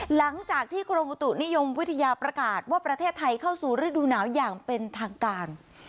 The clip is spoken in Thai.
หลังจากที่กรมอุตุนิยมวิทยาประกาศว่าประเทศไทยเข้าสู่ฤดูหนาวอย่างเป็นทางการ